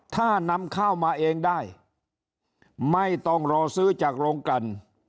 ถ้านำข้าวมาเองได้ไม่ต้องรอซื้อจากโรงกัน